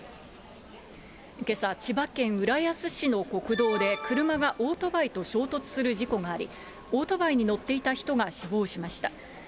けさ、千葉県浦安市の国道で、車がオートバイと衝突する事故があり、オートバイに乗っていた人が死亡しました。